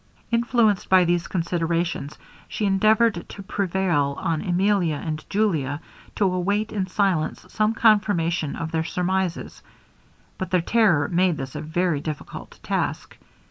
Influenced by these considerations, she endeavoured to prevail on Emilia and Julia to await in silence some confirmation of their surmises; but their terror made this a very difficult task.